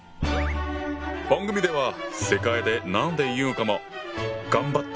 番組では世界で何て言うのかも頑張って調べたぞ！